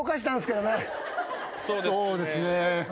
そうですね。